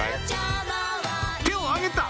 手を上げた！